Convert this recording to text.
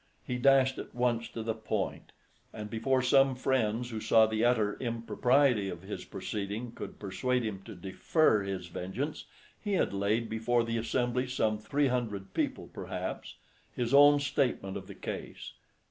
He dashed at once to the point; and before some friends who saw the utter impropriety of his proceeding could persuade him to defer his vengeance, he had laid before the assembly—some three hundred people, perhaps—his own statement of the case.